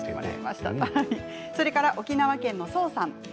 沖縄県の方です。